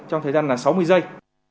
trong thời gian là sáu mươi giây